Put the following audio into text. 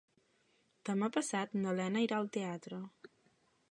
Demà passat na Lena irà al teatre.